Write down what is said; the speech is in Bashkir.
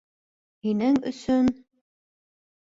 Һинең өсөн...